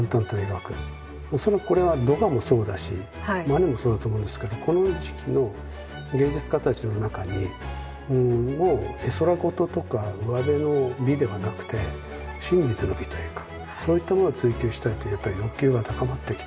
恐らくこれはドガもそうだしマネもそうだと思うんですけどこの時期の芸術家たちの中にもう絵空事とかうわべの美ではなくて真実の美というかそういったものを追求したいという欲求が高まってきて。